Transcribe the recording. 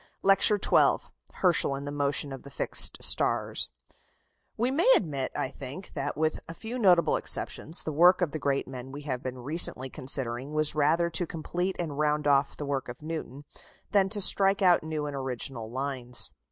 LECTURE XII HERSCHEL AND THE MOTION OF THE FIXED STARS We may admit, I think, that, with a few notable exceptions, the work of the great men we have been recently considering was rather to complete and round off the work of Newton, than to strike out new and original lines.